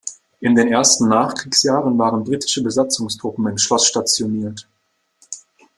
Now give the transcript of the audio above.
In den ersten Nachkriegsjahren waren britische Besatzungstruppen im Schloss stationiert.